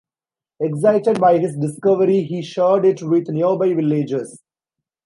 Excited by his discovery he shared it with nearby villagers.